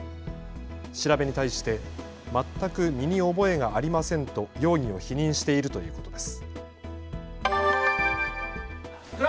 調べに対して全く身に覚えがありませんと容疑を否認しているということです。